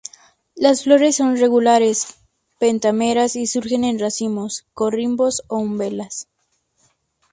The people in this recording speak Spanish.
Las flores son regulares, pentámeras, y surgen en racimos, corimbos o umbelas.